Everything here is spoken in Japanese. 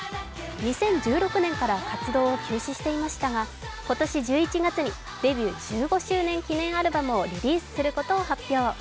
２０１６年から活動を休止していましたが、今年１１月にデビュー１５周年記念アルバムをリリースすることを発表。